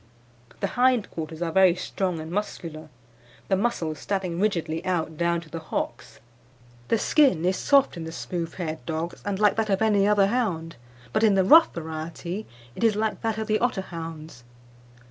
"The hind quarters are very strong and muscular, the muscles standing rigidly out down to the hocks. "The skin is soft in the smooth haired dogs, and like that of any other hound, but in the rough variety it is like that of the Otterhound's.